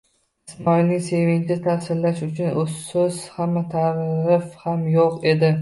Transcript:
Ismoilning sevinchini tasvirlash uchun so'z ham, ta'rif ham yo'q.